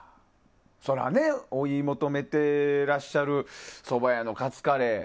それは追い求めていらっしゃるそば屋のカツカレー。